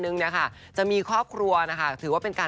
คือแบบอยากให้รักกันนะคะ